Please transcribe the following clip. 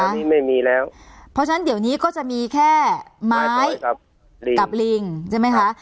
อันนี้ไม่มีแล้วเพราะฉะนั้นเดี๋ยวนี้ก็จะมีแค่ไม้กับลิงใช่ไหมคะ